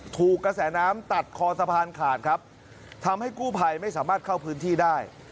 ถูกกระแสน้ำตัดคอสะพานขาดครับทำให้กู้ภัยไม่สามารถเข้าพื้นที่ได้